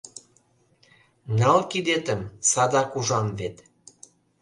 — Нал кидетым, садак ужам вет.